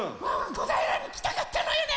こだいらにきたかったのよね。